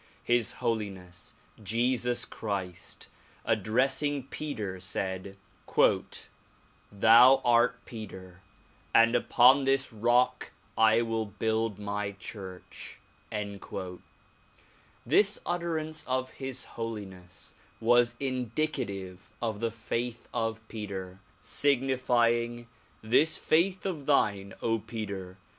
His Holiness Jesus Christ ad dressing Peter, said "Thou art Peter, and upon this rock I will build my church." This utterance of His Holiness was indicative of the faith of Peter, signifying — This faith of thine, Peter!